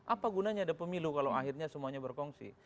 apa gunanya ada pemilu kalau akhirnya semuanya berkongsi